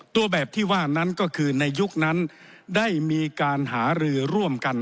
ตัวแบบที่ว่านั้นก็คือในยุคนั้นได้มีการหารือร่วมกัน